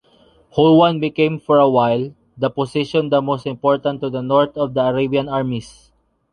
Hulwân became for a while, the position the most important to the north of the Arabian Armies.